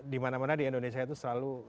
dimana mana di indonesia itu selalu